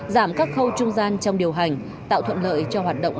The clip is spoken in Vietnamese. giảm các khâu trung gian trong điều hành tạo thuận lợi cho hoạt động